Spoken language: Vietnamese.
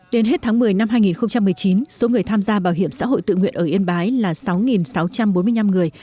đến hết tháng một mươi năm hai nghìn một mươi chín số người tham gia bảo hiểm xã hội tự nguyện ở yên bái là sáu sáu trăm bốn mươi năm người